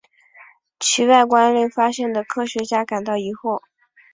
其外观令发现的科学家感到疑惑。